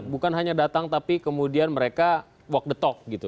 bukan hanya datang tapi kemudian mereka walk the talk gitu